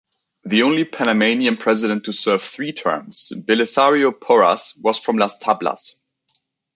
The only Panamanian president to serve three terms, Belisario Porras, was from Las Tablas.